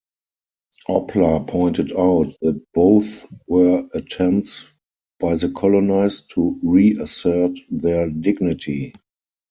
Opler pointed out that both were attempts by the colonized to reassert their dignity.